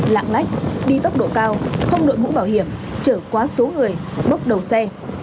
lạng lách đi tốc độ cao không nội mũ bảo hiểm chở quá số người bốc đầu xe